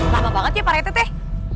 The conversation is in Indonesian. lama banget ya pak rete teh